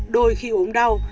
đôi khi ốm đau